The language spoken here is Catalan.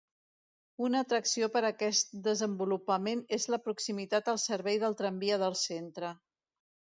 Una atracció per a aquest desenvolupament és la proximitat al servei del tramvia del centre.